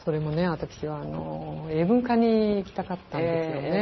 私は英文科に行きたかったんですよね。